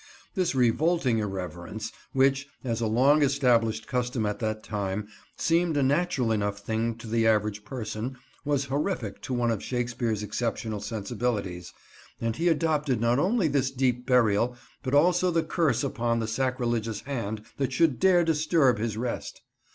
This revolting irreverence, which, as a long established custom at that time, seemed a natural enough thing to the average person, was horrific to one of Shakespeare's exceptional sensibilities; and he adopted not only this deep burial but also the curse upon the sacrilegious hand that should dare disturb his rest.